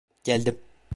Geldim.